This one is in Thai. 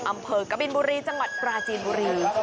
อำเภอกบินบุรีจังหวัดปราจีนบุรี